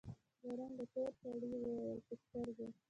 له رنګه تور سړي وويل: په سترګو!